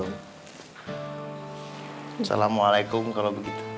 assalamualaikum kalau begitu